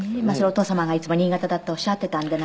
お父様がいつも新潟だっておっしゃってたんで。